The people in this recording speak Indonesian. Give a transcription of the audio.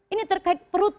ini terkait perut